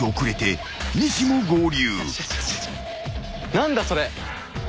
何だそれ？